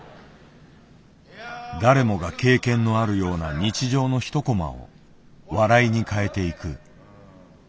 誰もが経験のあるような日常の一こまを笑いに変えていく。